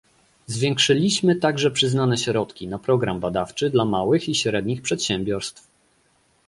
Zwiększyliśmy także przyznane środki na program badawczy dla małych i średnich przedsiębiorstw